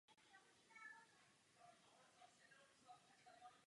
Nyní je v budově školy muzeum „Obecná škola“.